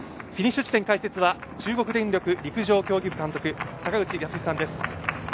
フィニッシュ地点解説は中国電力陸上競技部監督坂口泰さんです。